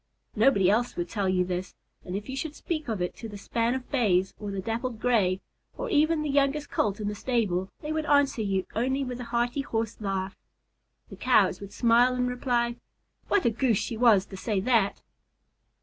Nobody else would tell you this, and if you should speak of it to the span of Bays, or the Dappled Gray, or even the youngest Colt in the stable, they would answer you only with a hearty Horse laugh. The Cows would smile and reply, "What a Goose she was to say that!"